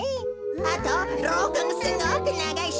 あとろうかもすごくながいし。